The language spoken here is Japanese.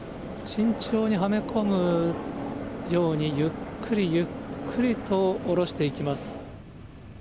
慎重にはめ込むように、ゆっくりゆっくりと下ろしていきます。